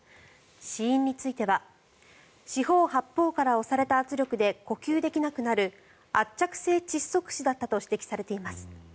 死因については四方八方から押された圧力で呼吸できなくなる圧着性窒息死だったと指摘されています。